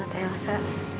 salam buat elsa